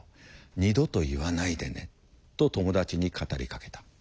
二度と言わないでね」と友達に語りかけた。